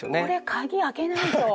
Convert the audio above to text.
鍵開けないと。